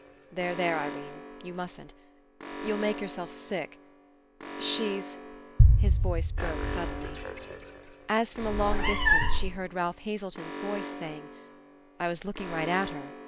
"There, there, Irene. You mustn't. 214 FINALE You'll make yourself sick. She's —" His voice broke suddenly. As from a long distance she heard Ralph Hazelton's voice saying: "I was look ing right at her.